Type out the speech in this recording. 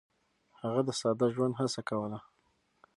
هغه د ساده ژوند هڅه کوله.